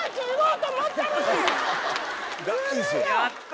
やった！